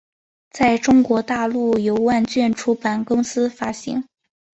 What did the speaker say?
在中国大陆由万卷出版公司发行。